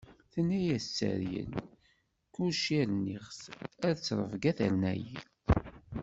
Tenna-as tteryel: "Kullec rniɣ-t, ar ttṛebga terna-yi."